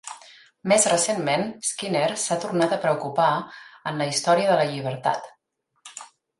Més recentment, Skinner s'ha tornat a preocupar en la història de la llibertat.